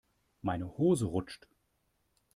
Meine Hose rutscht.